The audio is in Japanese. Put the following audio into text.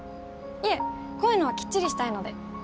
いえこういうのはきっちりしたいので。